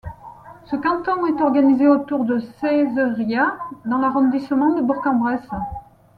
Ce canton est organisé autour de Ceyzériat dans l'arrondissement de Bourg-en-Bresse.